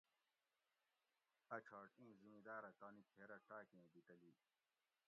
ا چھاٹ اِیں زِمیداۤرہ تانی کھیرہ ٹاکیں بی تلی